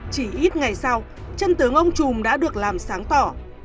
chỉ ít ngày sau chân tướng ông trùm đã được làm sáng tỏ